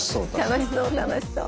楽しそう楽しそう。